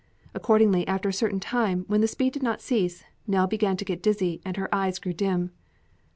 Accordingly, after a certain time, when the speed did not cease, Nell began to get dizzy and her eyes grew dim.